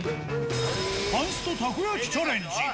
パンストたこ焼きチャレンジ。